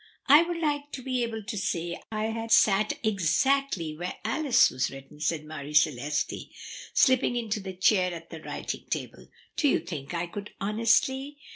"I would like to be able to say I had sat exactly where 'Alice' was written," said Marie Celeste, slipping into the chair at the writing table. "Do you think I could honestly?"